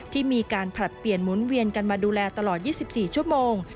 ที่มีการผลัดเปลี่ยนหมุนเวียนกันมาดูแลตลอด๒๔ชั่วโมง